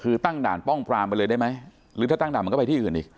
คือตั้งด่านป้องปรามไปเลยได้ไหมหรือถ้าตั้งด่านมันก็ไปที่อื่นอีก